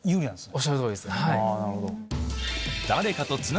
おっしゃる通りです。